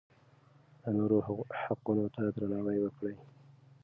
د نورو حقونو ته درناوی وکړئ.